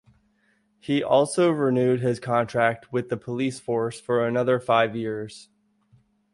He also renewed his contract with the Police Force for another five years.